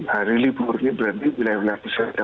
hari libur ini berarti wilayah wilayah peserta